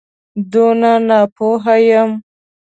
دونه ناپوه یم.